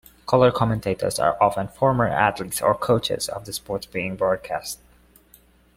Color commentators are often former athletes or coaches of the sport being broadcast.